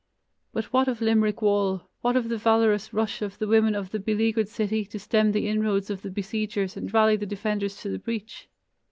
But what of Limerick wall, what of the valorous rush of the women of the beleaguered city to stem the inroads of the besiegers and rally the defenders to the breach?